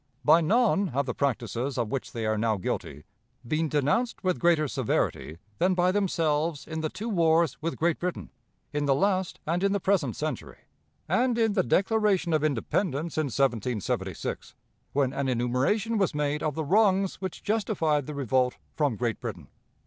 By none have the practices of which they are now guilty been denounced with greater severity than by themselves in the two wars with Great Britain, in the last and in the present century, and in the Declaration of Independence in 1776, when an enumeration was made of the wrongs which justified the revolt from Great Britain.